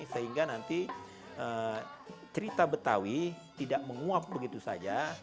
sehingga nanti cerita betawi tidak menguap begitu saja